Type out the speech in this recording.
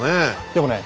でもね。